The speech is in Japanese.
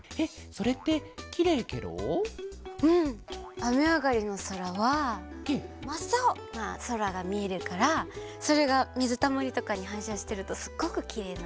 あめあがりのそらはまっさおなそらがみえるからそれがみずたまりとかにはんしゃしてるとすっごくきれいなんだよ。